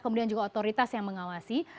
kemudian juga otoritas yang mengawasi